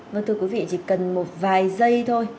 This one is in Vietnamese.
vâng thưa quý vị chỉ cần một vài giây thôi